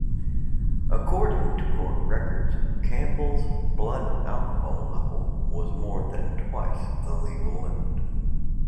According to court records Campbell's blood-alcohol level was more than twice the legal limit.